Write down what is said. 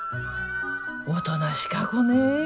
おとなしか子ね。